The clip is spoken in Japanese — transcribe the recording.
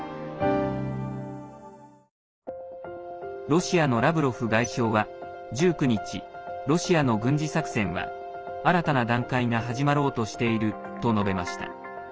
ロシアのラブロフ外相は１９日ロシアの軍事作戦は新たな段階が始まろうとしていると述べました。